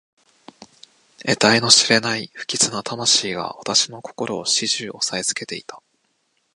えたいの知れない不吉な魂が私の心を始終おさえつけていた。